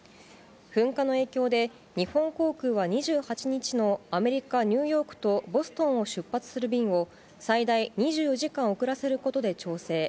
噴火の影響で、日本航空は２８日のアメリカ・ニューヨークとボストンを出発する便を、最大２４時間遅らせることで調整。